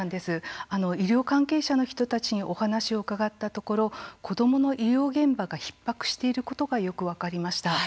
医療関係者の人たちにお話を伺ったところ子どもの医療現場がひっ迫していることがよく分かりました。